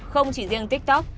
không chỉ riêng tiktok